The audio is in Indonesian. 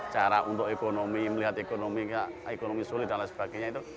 cara untuk ekonomi melihat ekonomi sulit dan lain sebagainya itu